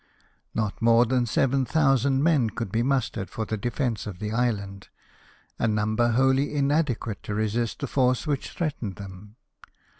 Not more than seven thousand men could be mustered for the defence of the island — a number wholly inadequate to resist the force which threatened them.